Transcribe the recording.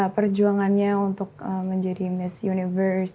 perjuangannya untuk menjadi miss universe